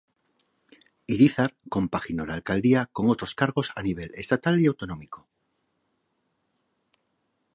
Irízar compaginó la alcaldía con otros cargos a nivel estatal y autonómico.